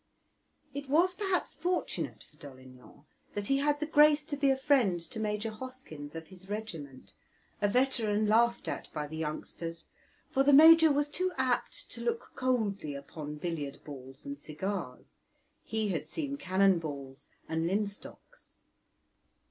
It was perhaps fortunate for Dolignan that he had the grace to be a friend to Major Hoskyns of his regiment, a veteran laughed at by the youngsters, for the major was too apt to look coldly upon billiard balls and cigars; he had seen cannon balls and linstocks.